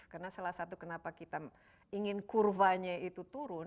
karena salah satu kenapa kita ingin kurvanya itu turun